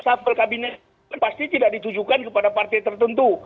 safel kabinet pasti tidak ditujukan kepada partai tertentu